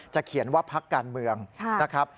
เขียนว่าพักการเมืองนะครับ